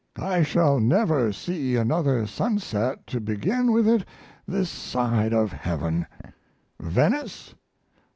I shall never see another sunset to begin with it this side of heaven. Venice?